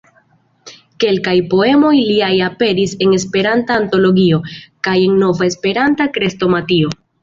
Kelkaj poemoj liaj aperis en "Esperanta Antologio" kaj en "Nova Esperanta Krestomatio".